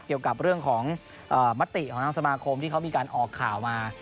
เกี่ยวกับเรื่องของมติของทางสมาคมที่เขามีการออกข่าวมา